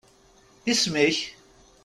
Isem-ik?